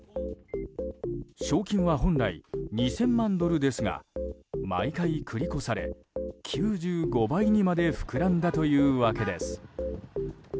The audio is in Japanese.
賞金は本来２０００万ドルですが毎回繰り越され９５倍にまで膨らんだというわけです。